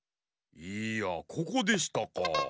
いやここでしたか。